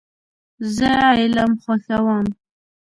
زه علم خوښوم .